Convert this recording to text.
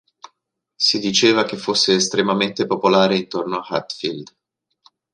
Si diceva che fosse estremamente popolare intorno a Hatfield.